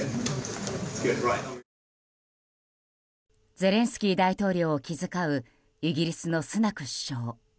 ゼレンスキー大統領を気遣うイギリスのスナク首相。